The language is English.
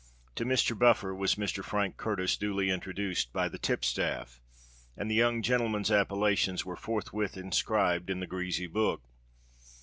To Mr. Buffer was Mr. Frank Curtis duly introduced by the tipstaff; and the young gentleman's appellations were forthwith inscribed in the greasy book.